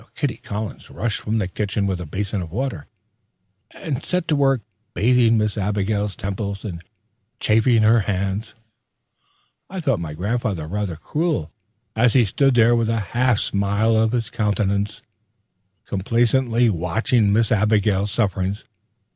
Kitty Collins rushed from the kitchen with a basin of water, and set to work bathing Miss Abigail's temples and chafing her hands. I thought my grandfather rather cruel, as he stood there with a half smile on his countenance, complacently watching Miss Abigail's sufferings.